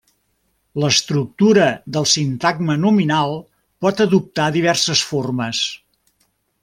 L'estructura del sintagma nominal pot adoptar diverses formes.